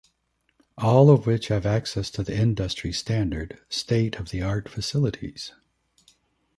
All of which have access to industry standard, state of the art facilities.